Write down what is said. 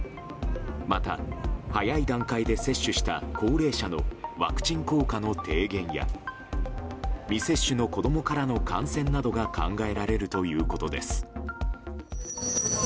また、早い段階で接種した高齢者のワクチン効果の低減や未接種の子供からの感染などが考えられるということです。